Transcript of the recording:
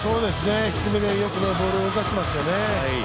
低めでよくボールを動かしていますね。